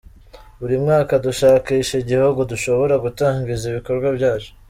Buri mwaka dushakisha igihugu dushobora gutangiza ibikorwa byacu.